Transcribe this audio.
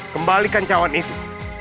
kembalikan cawan itu